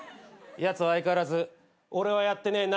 やつは相変わらず「俺はやってねえ。